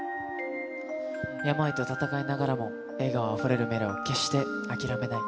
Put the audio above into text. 病と闘いながらも、笑顔あふれる夢を決して諦めない。